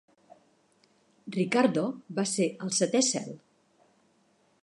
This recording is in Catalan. Ricardo va ser al setè cel.